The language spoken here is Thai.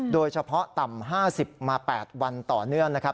โดยเฉพาะต่ำ๕๐มา๘วันต่อเนื่องนะครับ